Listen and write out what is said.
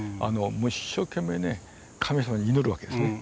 もう一生懸命ね神様に祈るわけですね。